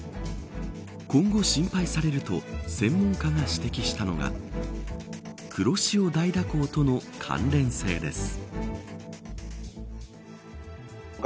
今後、心配されると専門家が指摘したのが黒潮大蛇行との関連性です。